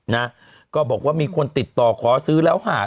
นะก็บอกว่ามีคนติดต่อขอซื้อแล้วหา